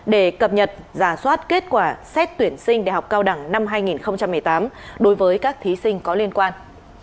để cập nhật giả soát kết quả xét tuyển sinh đại học cao đẳng năm hai nghìn một mươi tám đối với các thí sinh có liên quan